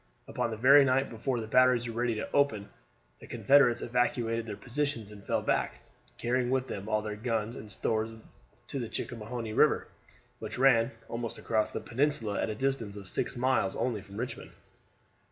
Upon the very night before the batteries were ready to open, the Confederates evacuated their positions and fell back, carrying with them all their guns and stores to the Chickahominy River, which ran almost across the peninsula at a distance of six miles only from Richmond.